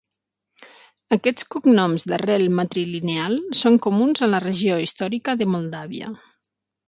Aquests cognoms d'arrel matrilineal són comuns a la regió històrica de Moldàvia.